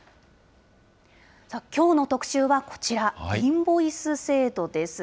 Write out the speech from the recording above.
きょうの特集はこちら、インボイス制度です。